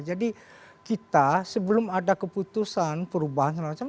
jadi kita sebelum ada keputusan perubahan dan lain macam